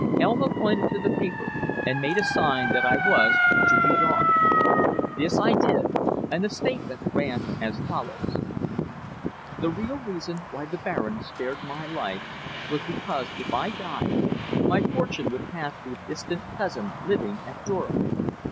Elma pointed to the paper, and made a sign that I was to read on. This I did, and the statement ran as follows: "The real reason why the Baron spared my life was because, if I died, my fortune would pass to a distant cousin living at Durham.